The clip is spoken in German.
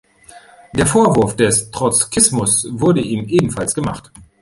Der Vorwurf des Trotzkismus wurde ihm ebenfalls gemacht.